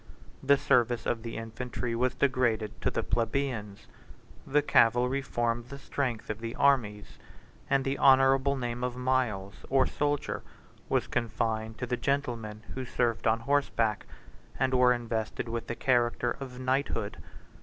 The service of the infantry was degraded to the plebeians; the cavalry formed the strength of the armies, and the honorable name of miles, or soldier, was confined to the gentlemen 55 who served on horseback, and were invested with the character of knighthood.